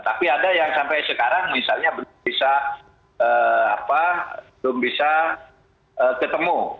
tapi ada yang sampai sekarang misalnya belum bisa ketemu